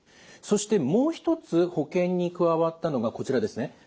そしてもう一つ保険に加わったのがこちらですね。